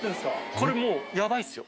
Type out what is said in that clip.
これもうヤバいですよ。